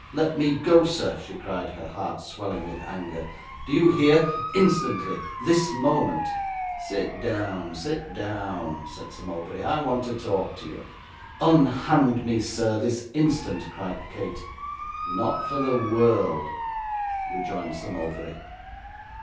'Let me go, sir,' she cried, her heart swelling with anger. 'Do you hear? Instantly this moment.' 'Sit down, sit down,' said Sir Mulberry; 'I want to talk to you.' 'Unhand me, sir, this instant,' cried Kate. 'Not for the world,' rejoined Sir Mulberry.